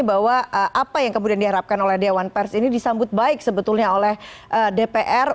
bahwa apa yang kemudian diharapkan oleh dewan pers ini disambut baik sebetulnya oleh dpr